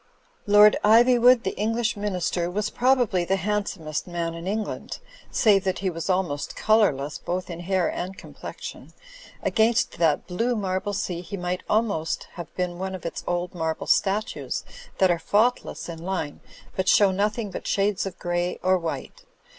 Lord Ivywood, the English Minister, was probably the handsomest man in England, save that he was almost colourless both in hair and complexion. Against that blue marble sea he might almost have been one of its old marble statues that are faultless in line but show nothing but shades of grey or white.